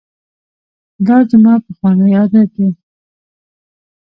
دا زما پخوانی عادت دی.